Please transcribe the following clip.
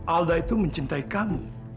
alda itu mencintai kamu